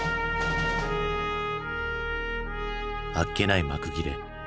あっけない幕切れ。